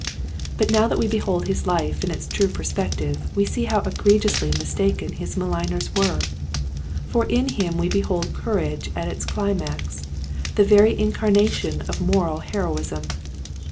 But now that we behold his life in its true perspective we see how egregiously mistaken his maligners were, for in him we behold courage at its climax, the very incarnation of moral heroism.